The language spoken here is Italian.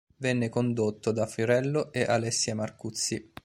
Venne condotto da Fiorello e Alessia Marcuzzi.